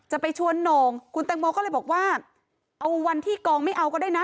จะไปชวนโหน่งคุณแตงโมก็เลยบอกว่าเอาวันที่กองไม่เอาก็ได้นะ